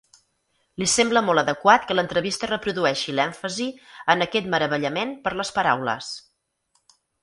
Li sembla molt adequat que l'entrevista reprodueixi l'èmfasi en aquest meravellament per les paraules.